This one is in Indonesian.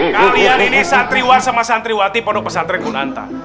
kalian ini santriwan sama santriwati pondok pesantren gunanta